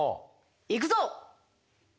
いくぞ！